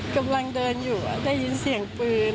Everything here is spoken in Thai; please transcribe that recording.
กำลังเดินอยู่ได้ยินเสียงปืน